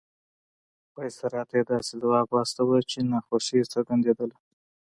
وایسرا ته یې داسې ځواب واستاوه چې ناخوښي یې څرګندېدله.